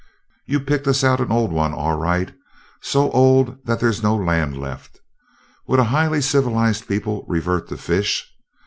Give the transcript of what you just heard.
You picked us out an old one, all right so old that there's no land left. Would a highly civilized people revert to fish?